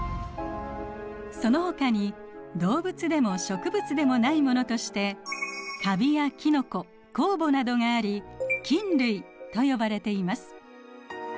そのほかに動物でも植物でもないものとしてカビやキノコ酵母などがあり菌類と呼ばれています。